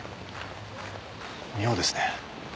妙ですね。